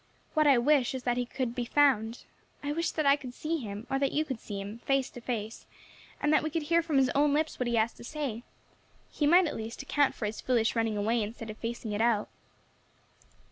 What I wish is that he could be found. I wish that I could see him, or that you could see him, face to face, and that we could hear from his own lips what he has to say. He might, at least, account for his foolish running away instead of facing it out.